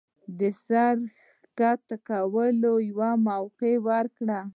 د سر ښکته کولو يوه موقع ورکړي